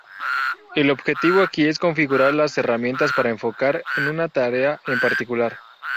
El objetivo aquí es configurar las herramientas para enfocar en una tarea en particular.